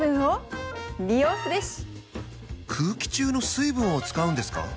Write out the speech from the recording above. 空気中の水分を使うんですか？